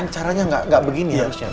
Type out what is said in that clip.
caranya gak begini harusnya pak